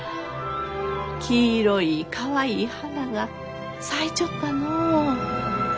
黄色いかわいい花が咲いちょったのう。